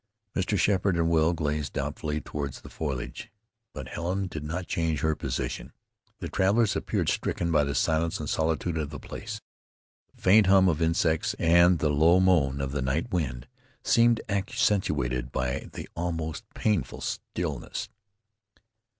Mr. Sheppard and Will gazed doubtfully toward the foliage; but Helen did not change her position. The travelers appeared stricken by the silence and solitude of the place. The faint hum of insects, and the low moan of the night wind, seemed accentuated by the almost painful stillness.